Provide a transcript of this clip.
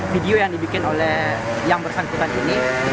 video yang dibikin oleh yang bersangkutan ini